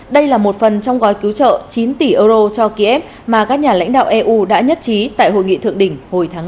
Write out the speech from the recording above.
đây là một phần trong gói cứu trợ chín tỷ euro cho kiev mà các nhà lãnh đạo eu đã nhất trí tại hội nghị thượng đỉnh hồi tháng năm